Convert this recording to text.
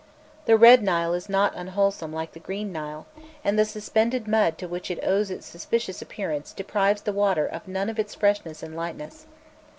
The "Red Nile" is not unwholesome like the "Green Nile," and the suspended mud to which it owes its suspicious appearance deprives the water of none of its freshness and lightness.